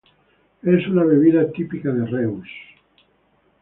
Es una bebida típica de Reus.